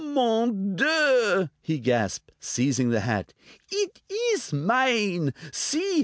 "Mon Dieu!" he gasped, seizing the hat; "eet ees mine! See!